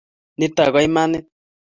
Nito ko imanit